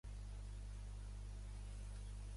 Em dic Chiara Menacho: ema, e, ena, a, ce, hac, o.